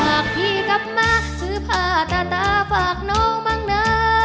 พี่กลับมาซื้อผ้าตาตาฝากน้องบ้างนะ